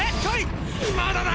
まだだ！！